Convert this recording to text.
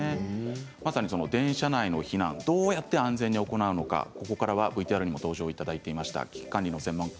まさに電車内の避難どうやって安全に行うのか、ここからはＶＴＲにも登場していただいた危機管理の専門家